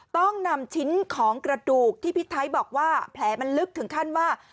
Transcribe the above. ต้องนำชิ้นของกระดูกที่พี่ไทยบอกว่าแผลมันลึกถึงขั้นว่า